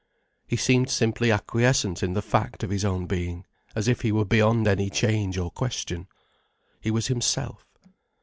He seemed simply acquiescent in the fact of his own being, as if he were beyond any change or question. He was himself.